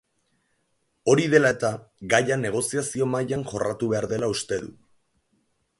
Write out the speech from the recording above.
Hori dela eta, gaia negoziazio mahaian jorratu behar dela uste du.